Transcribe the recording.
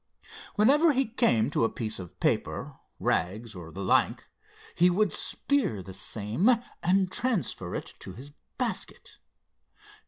Whenever he came to a piece of paper, rags, or the like, he would spear the same, and transfer it to his basket.